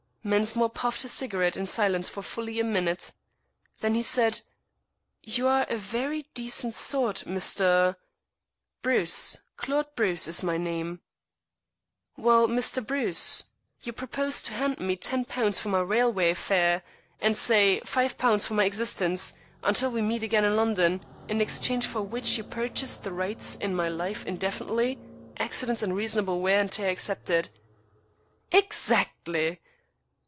Mensmore puffed his cigarette in silence for fully a minute. Then he said: "You are a very decent sort, Mr. " "Bruce Claude Bruce is my name." "Well, Mr. Bruce, you propose to hand me £10 for my railway fare, and, say, £5 for my existence, until we meet again in London, in exchange for which you purchase the rights in my life indefinitely, accidents and reasonable wear and tear excepted." "Exactly!"